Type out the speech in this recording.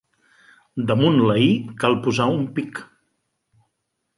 Damunt la i cal posar un pic.